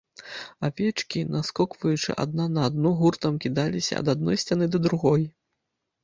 Авечкі, наскокваючы адна на адну, гуртам кідаліся ад адной сцяны да другой.